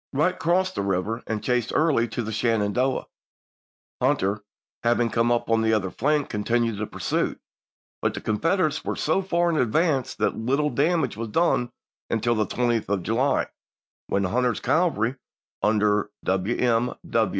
Wright crossed the river and chased Early to the Shenandoah; Hunter, having come up on the other flank, continued the pursuit, but the Con federates were so far in advance that little damage was done until the 20th of July, when Hunter's 186* cavalry, under Wm.